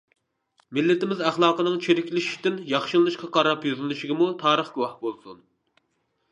مىللىتىمىز ئەخلاقىنىڭ چىرىكلىشىشتىن ياخشىلىنىشقا قاراپ يۈزلىنىشىگىمۇ تارىخ گۇۋاھ بولسۇن!